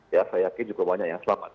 ya saya yakin juga banyak yang selamat